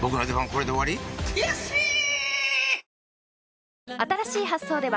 これで終わり⁉悔しい！